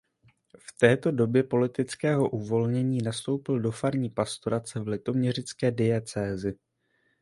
V této době politického uvolnění nastoupil do farní pastorace v litoměřické diecézi.